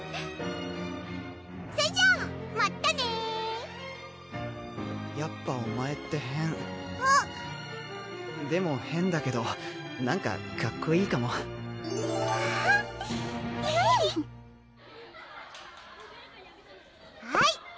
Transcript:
それじゃまったねやっぱお前って変でも変だけどなんかかっこいいかもはい！